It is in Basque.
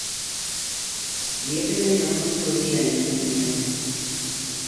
Friedelen ahots lodia entzun nuen.